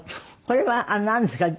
これはなんですか？